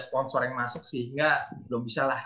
sponsor yang masuk sih enggak belum bisa lah